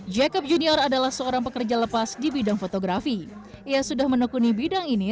hai jacob junior adalah seorang pekerja lepas di bidang fotografi ia sudah menekuni bidang ini